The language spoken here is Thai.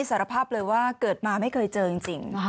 สารภาพเลยว่าเกิดมาไม่เคยเจอจริง